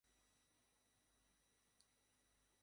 বেশ ভালোমতোই চিনতাম।